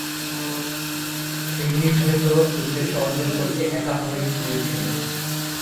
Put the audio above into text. সিং নির্ধারিত উদ্দেশ্য অর্জন করতে একা হয়ে গিয়েছিল।